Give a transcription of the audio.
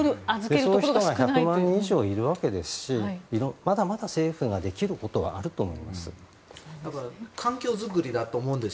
そうした人が１００万人以上いるわけですしまだまだ政府ができることはあると思うんです。